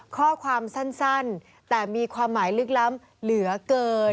ข้อความสั้นแต่มีความหมายลึกล้ำเหลือเกิน